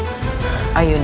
aku pergi dari sini